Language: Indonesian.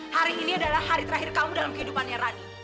hari ini adalah hari terakhir kamu dalam kehidupannya rani